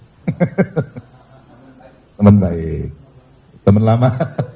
selamat baik teman lama